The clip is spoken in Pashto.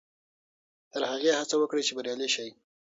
تر هغې هڅه وکړئ چې بریالي شئ.